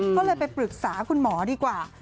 ก็เลยไปปรึกษาคุณหมอดีกว่า